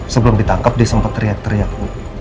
sebelum ditangkap dia sempat teriak teriak